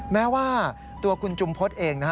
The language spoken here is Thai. แม้ว่าตัวคุณจุมพสภ์เอง